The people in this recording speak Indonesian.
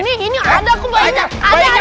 ini ini ada kok bayinya